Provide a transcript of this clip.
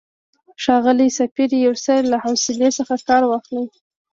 ښاغلی سفیر، یو څه له حوصلې څخه کار واخلئ.